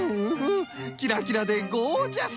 キラキラでゴージャス！